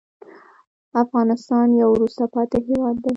افغانستان یو وروسته پاتې هېواد دی.